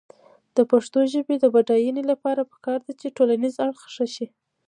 د پښتو ژبې د بډاینې لپاره پکار ده چې ټولنیز اړخ ښه شي.